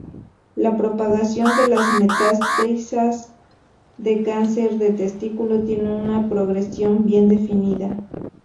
La propagación de las metástasis de cáncer de testículo tiene una progresión bien definida.